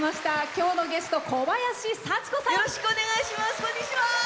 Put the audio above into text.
今日のゲスト、小林幸子さん。